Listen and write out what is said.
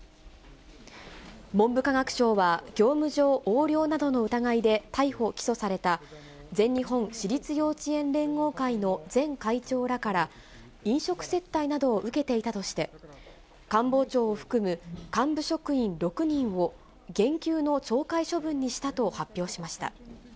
文部科学省は業務上横領などの疑いで逮捕・起訴された、全日本私立幼稚園連合会の前会長らから、飲食接待などを受けていたとして、官房長を含む幹部職員６人を減給の懲戒処分にしたと発表しました。